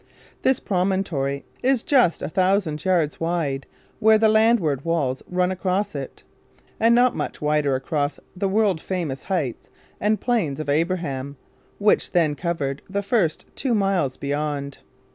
This promontory is just a thousand yards wide where the landward walls run across it, and not much wider across the world famous Heights and Plains of Abraham, which then covered the first two miles beyond.